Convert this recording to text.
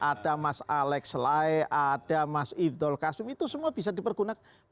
ada mas alex lai ada mas ibnul qasim itu semua bisa dipergunakan